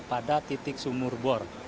pada titik sumur bor